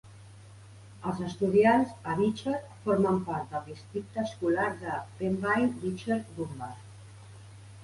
Els estudiants a Beecher formen part del districte escolar de Pembine-Beecher-Dunbar.